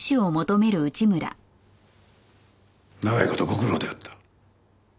長い事ご苦労であった。